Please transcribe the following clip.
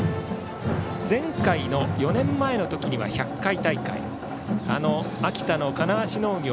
前回の４年前の時には１００回大会あの秋田の金足農業